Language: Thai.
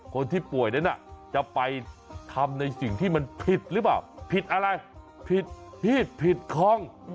คนที่ป่วยนั้นน่ะจะไปทำในสิ่งที่มันผิดหรือเปล่าผิดอะไรผิดมีดผิดคล่อง